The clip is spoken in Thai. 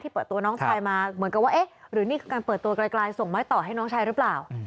ที่เปิดตัวน้องชายมาหรือเรื่องนี้คือการเปิดตัวกลายส่งไหมต่อให้น้องชายหรือเปล่า